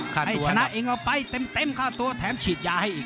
ให้ชนะเองเอาไปเต็มค่าตัวแถมฉีดยาให้อีก